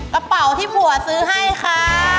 กระเป๋าที่ผัวซื้อให้ค่ะ